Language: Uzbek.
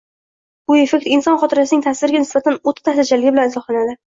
bu effekt inson xotirasining tasvirga nisbatan o‘ta ta’sirchanligi bilan izohlanadi.